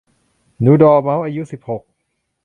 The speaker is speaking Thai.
หนูดอร์เมาส์อายุสิบหก